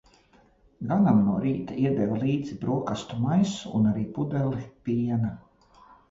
Ganam no rīta iedeva līdzi brokastu maisu un arī pudeli piena.